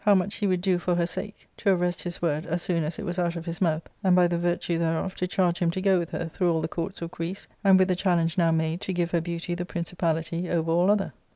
—Book L • 8f much he would do for her sake, to arrest his wofd as soon as it was out of his mouth, and, by the virtue thereof, to charge him to go with her through all the courts of Greece, and, with the challenge now made, to give her beauty the princi pality over all other.